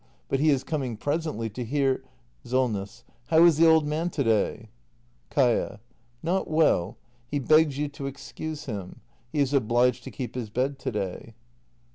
But he is coming presently to hear SOLNESS. How is the old man to day ? Kaia. Not well. He begs you to excuse him; he is obliged to keep his bed to day.